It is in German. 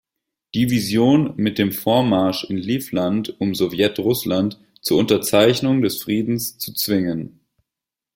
Division mit dem Vormarsch in Livland um Sowjetrussland zur Unterzeichnung des Friedens zu zwingen.